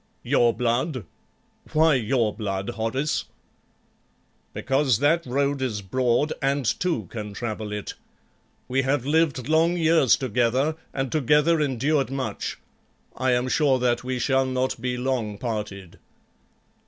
"Your blood! Why your blood, Horace?" "Because that road is broad and two can travel it. We have lived long years together and together endured much; I am sure that we shall not be long parted."